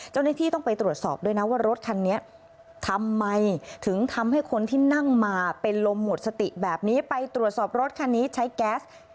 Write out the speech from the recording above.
เจ้าหน้าที่ต้องไปตรวจสอบด้วยนะว่ารถคันนี้ทำไมถึงทำให้คนที่นั่งมาเป็นลมหมดสติแบบนี้ไปตรวจสอบรถคันนี้ใช้แก๊ส